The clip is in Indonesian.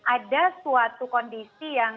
ada suatu kondisi yang